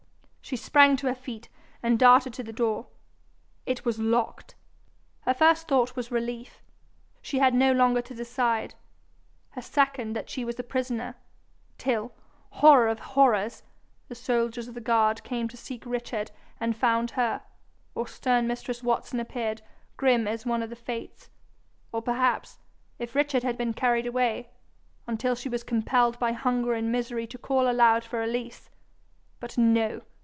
She sprang to her feet, and darted to the door. It was locked! Her first thought was relief: she had no longer to decide; her second, that she was a prisoner till, horror of horrors! the soldiers of the guard came to seek Richard and found her, or stern mistress Watson appeared, grim as one of the Fates; or, perhaps, if Richard had been carried away, until she was compelled by hunger and misery to call aloud for release. But no!